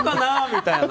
みたいな。